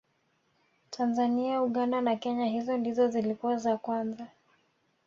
tanzania uganda na kenya hizo ndizo zilikuwa za kwanza